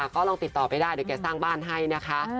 ก็ลองติดต่อไปได้เดี๋ยวแกสร้างบ้านให้นะคะ